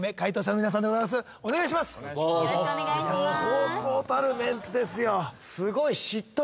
そうそうたるメンツですよ。